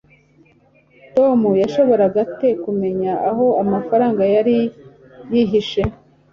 tom yashoboraga ate kumenya aho amafaranga yari yihishe